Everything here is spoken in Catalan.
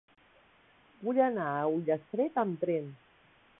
Vull anar a Ullastret amb tren.